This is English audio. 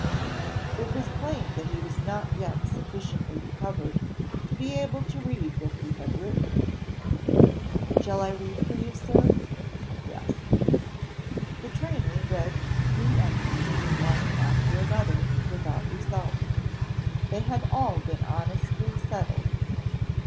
It was plain that he was not yet sufficiently recovered to be able to read what he had written. "Shall I read for you, Sir?" "Yes." The trainer read three entries, one after another, without result; they had all been honestly settled.